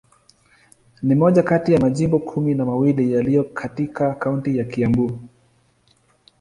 Ni moja kati ya majimbo kumi na mawili yaliyo katika kaunti ya Kiambu.